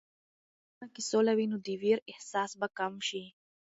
که په ټولنه کې سوله وي، نو د ویر احساس به کم شي.